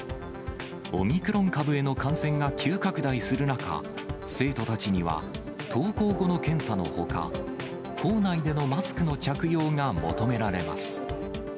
オミクロン株への感染が急拡大する中、生徒たちには登校後の検査のほか、校内でのマスクの着用が求められます。